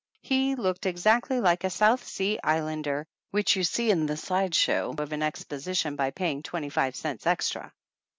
He looked exactly like a South Sea Islander which you see in the side show of an exposition by paying twenty five cents extra.